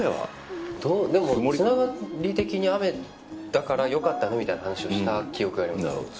でも、つながり的に雨だからよかったねみたいな話をした記憶があります。